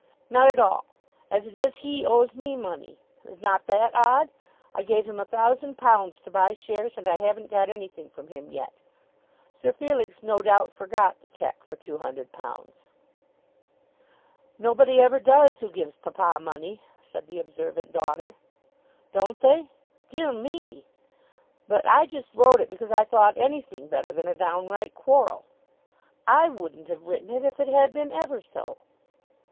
"Not at all. As it is, he owes me money. Is not that odd? I gave him a thousand pounds to buy shares, and I haven't got anything from him yet." Sir Felix, no doubt, forgot the cheque for £200. "Nobody ever does who gives papa money," said the observant daughter. "Don't they? Dear me! But I just wrote it because I thought anything better than a downright quarrel." "I wouldn't have written it, if it had been ever so."